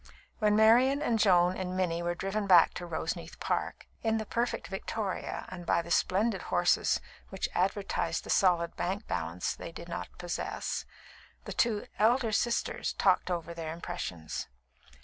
When Marian and Joan and Minnie were driven back to Roseneath Park (in the perfect victoria and by the splendid horses which advertised the solid bank balance they did not possess), the two "elder sisters" talked over their impressions.